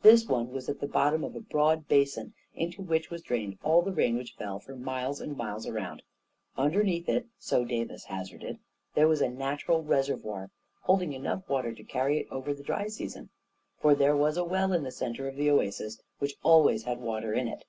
This one was at the bottom of a broad basin into which was drained all the rain which fell for miles and miles around. Underneath it, so Davis hazarded, there was a natural reservoir, holding enough water to carry it over the dry sea sons; for there was a well in the centre of the oasis which always had water in it.